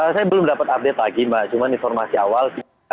saya belum dapat update lagi mbak cuma informasi awal